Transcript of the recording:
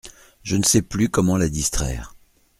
Je ne sais plus comment la distraire…